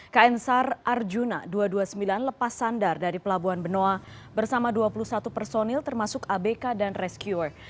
kn sar arjuna dua ratus dua puluh sembilan lepas sandar dari pelabuhan benoa bersama dua puluh satu personil termasuk abk dan rescuer